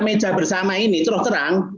meja bersama ini terus terang